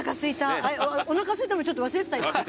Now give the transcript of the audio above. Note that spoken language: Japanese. おなかすいたのちょっと忘れてた今。